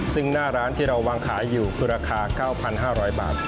ซึ่งหน้าร้านที่เราวางขายอยู่คือราคา๙๕๐๐บาท